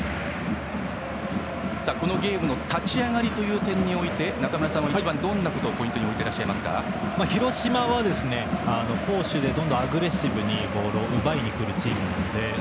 このゲームの立ち上がりにおいて中村さんは一番、どんなことをポイントに広島は攻守でどんどんアグレッシブにボールを奪いにくるチームなので。